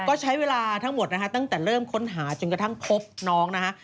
ก็ใช้เวลาทั้งหมดนะคะตั้งแต่เริ่มค้นหาจนกระทั่งพบน้องนะฮะ